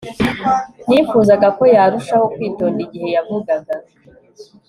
Nifuzaga ko yarushaho kwitonda igihe yavugaga